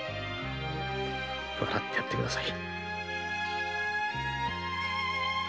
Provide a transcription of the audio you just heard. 笑ってやってください。